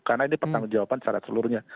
karena ini pertanggung jawaban secara seluruhnya